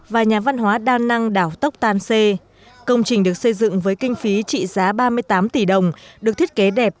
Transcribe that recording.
và nhà văn hóa đa năng đảo tốc tan xê công trình được xây dựng với kinh phí trị giá ba mươi tám tỷ đồng được thiết kế đẹp